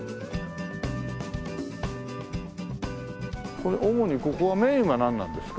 これ主にここはメインはなんなんですか？